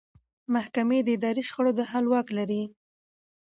محکمې د اداري شخړو د حل واک لري.